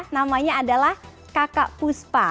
namanya adalah kakak puspa